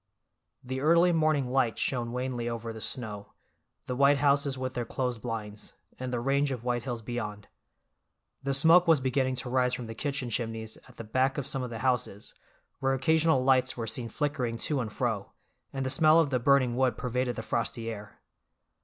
The early morning light shone wanly over the snow, the white houses with their closed blinds, and the range of white hills beyond. The smoke was beginning to rise from the kitchen chimneys at the back of some of the houses, where occasional lights were seen flickering to and fro, and the smell of the burning wood pervaded the frosty air.